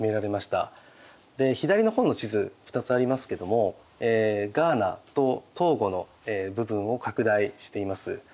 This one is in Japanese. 左の方の地図２つありますけどもガーナとトーゴの部分を拡大しています。